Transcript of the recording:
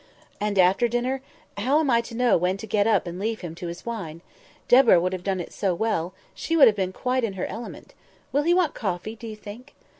"And after dinner, how am I to know when to get up and leave him to his wine? Deborah would have done it so well; she would have been quite in her element. Will he want coffee, do you think?"